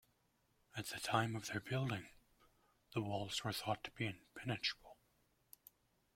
At the time of their building, the walls were thought to be impenetrable.